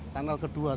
tunnel kedua sekarang